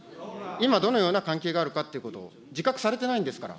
今、どのような関係があるかということを自覚されてないんですから。